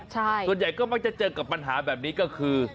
ส่วนใหญ่ก็มักจะเจอกับปัญหาแบบนี้ก็คือ